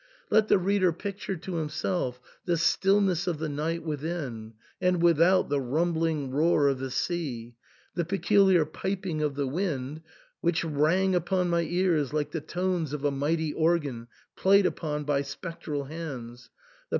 Let the reader picture to himself the stillness of the night within, and without the rumbling roar of the sea — the peculiar piping of the wind, which rang upon my ears like the tones of a mighty organ played upon by spectral hands — the.